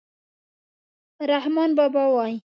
رحمان بابا وایي: